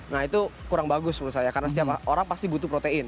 nah itu kurang bagus menurut saya karena setiap orang pasti butuh protein